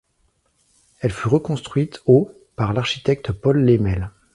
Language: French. Elle fut reconstruite au par l'architecte Paul Lesmesle.